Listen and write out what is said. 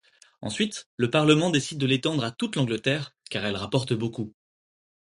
Ensuite, le parlement décide de l’étendre à toute l’Angleterre, car elle rapporte beaucoup.